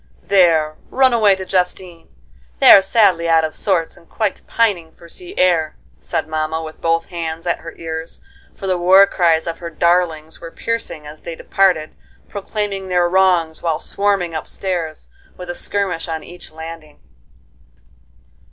"There, run away to Justine. They are sadly out of sorts, and quite pining for sea air," said mamma, with both hands at her ears, for the war cries of her darlings were piercing as they departed, proclaiming their wrongs while swarming up stairs, with a skirmish on each landing.